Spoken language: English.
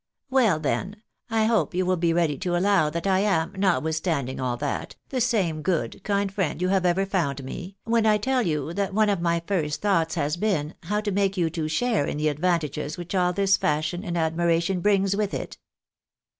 " Well, then, I hope you will be ready to allow that I am, not withstanding all that, the same good, kind friend you have ever found me, when I tell you that one of my first thoughts has been, how to make you two share in the advantages which all tliis fashion and admiration brings with it."